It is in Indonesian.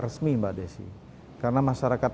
resmi mbak desi karena masyarakat